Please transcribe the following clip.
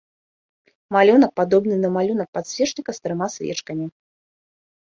Малюнак падобны на малюнак падсвечніка з трыма свечкамі.